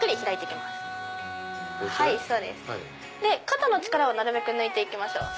肩の力をなるべく抜いて行きましょう。